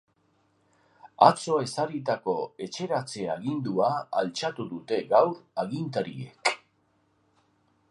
Atzo ezarritako etxeratze agindua altxatu dute gaur agintariek.